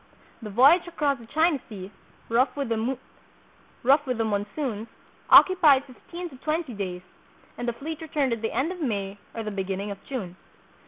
The voyage across the China Sea, rough with the monsoons, occupied fifteen or twenty days, and the fleet returned at the end of May or the beginning of June.